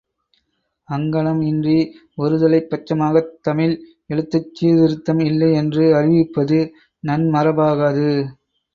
அங்ஙணம் இன்றி ஒருதலைப் பட்சமாகத் தமிழ் எழுத்துச் சீர்திருத்தம் இல்லை என்று அறிவிப்பது நன்மரபாகாது.